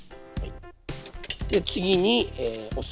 で次にお酢。